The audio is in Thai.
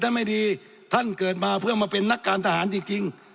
ท่านเกิดมาเพื่อเพื่อมาเป็นนักการทหารจริง